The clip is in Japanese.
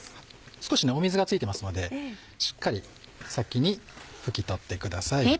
少し水が付いてますのでしっかり先に拭き取ってください。